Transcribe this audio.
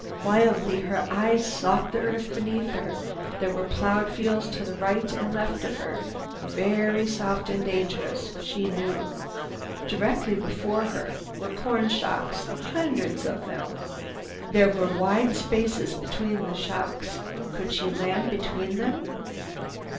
Wildly her eyes sought the earth beneath her. There were plowed fields to the right and left of her, very soft and dangerous, she knew. Directly before her were corn shocks, hundreds of them. There were wide spaces between the shocks. Could she land between them?